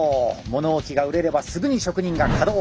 物置が売れればすぐに職人が稼働。